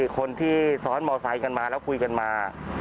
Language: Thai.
คนที่ซ้อนมอไซค์กันมาแล้วคุยกันมา